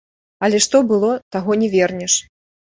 Але што было, таго не вернеш.